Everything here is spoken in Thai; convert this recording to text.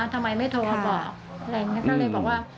ทำไมไม่โทรมาบอกอะไรอย่างนี้ก็เลยบอกว่า